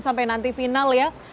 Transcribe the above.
sampai nanti final ya